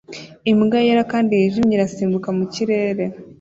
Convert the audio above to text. Imbwa yera kandi yijimye irasimbuka mu kirere